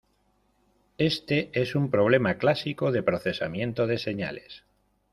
Éste es un problema clásico de procesamiento de señales.